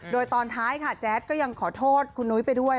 โดยตอนท้ายค่ะแจ๊ดก็ยังขอโทษคุณนุ้ยไปด้วย